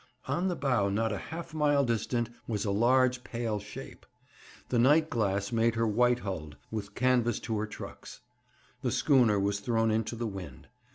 On the bow, not half a mile distant, was a large pale shape. The night glass made her white hulled, with canvas to her trucks. The schooner was thrown into the wind.